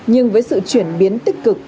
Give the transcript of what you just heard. nhưng với sự chuyển biến tích cực